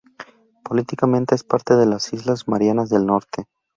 Políticamente es parte de las islas Marianas del Norte.